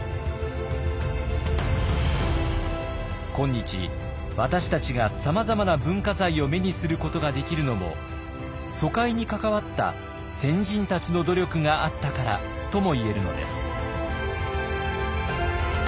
今日私たちがさまざまな文化財を目にすることができるのも疎開に関わった先人たちの努力があったからとも言えるのです。